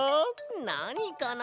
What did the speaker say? なにかな？